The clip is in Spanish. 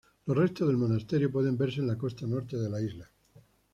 Los restos del monasterio pueden verse en la costa norte de la isla.